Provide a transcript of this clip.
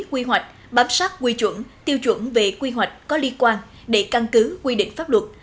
quy hoạch bám sát quy chuẩn tiêu chuẩn về quy hoạch có liên quan để căn cứ quy định pháp luật